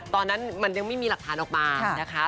ตอนนั้นมันยังไม่มีหลักฐานออกมานะคะ